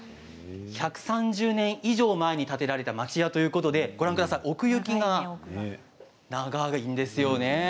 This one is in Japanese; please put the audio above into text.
１３０年以上前に建てられた町屋で奥行きが長いんですよね。